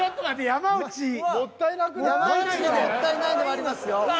山内がもったいないのはありますよ。